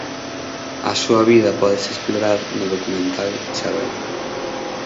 A súa vida pódese explorar no documental "Chavela".